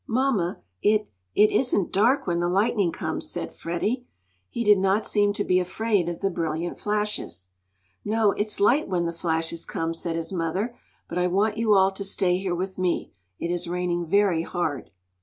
"Mamma, it it isn't dark when the lightning comes," said Freddie. He did not seem to be afraid of the brilliant flashes. "No, it's light when the flashes come," said his mother. "But I want you all to stay here with me. It is raining very hard."